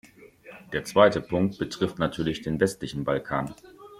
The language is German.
Der zweite Punkt betrifft natürlich den westlichen Balkan.